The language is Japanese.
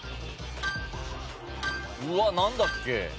うわなんだっけ。